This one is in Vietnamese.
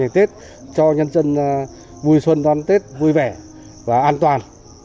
chúng tôi tăng cường ba ngày tết cho nhân dân vui xuân toàn tết vui vẻ và an toàn